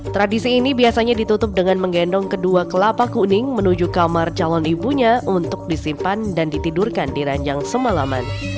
tradisi ini biasanya ditutup dengan menggendong kedua kelapa kuning menuju kamar calon ibunya untuk disimpan dan ditidurkan di ranjang semalaman